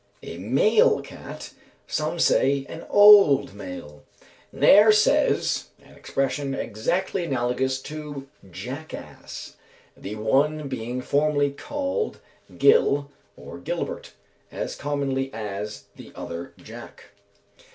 _ A male cat; some say an old male. Nares says, an expression exactly analogous to "Jack ass;" the one being formerly called "Gil" or "Gilbert," as commonly as the other "Jack."